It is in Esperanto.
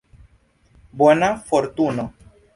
Bona fortuno.